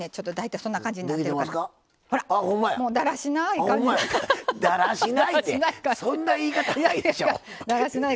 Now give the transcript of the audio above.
そんな言い方ないでしょ。